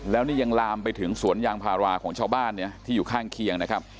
แล้วนี่ยังลามไปถึงสวนยางพาราของชาวบ้านเนี่ยที่อยู่ข้างเคียงนะครับ